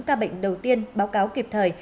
các bệnh đầu tiên báo cáo kịp thời